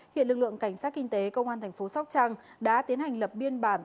hiện lực lượng cảnh sát kinh tế công an tp sóc trăng đã tiến hành lập biên bản